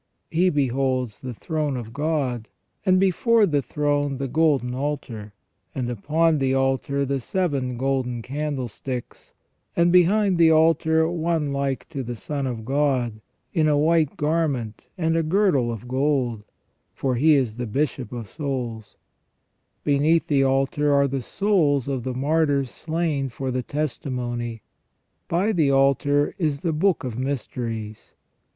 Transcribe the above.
He beholds the throne of God ; and before the throne the golden altar ; and upon the altar the seven golden candlesticks ; and behind the altar one like to the Son of God, in a white garment and a girdle of gold, for He is the Bishop of THE RE GENERA TION OF MAN. 3 7 3 souls. Beneath the altar are the souls of the martyrs slain for the testimony. By the altar is the book of mysteries.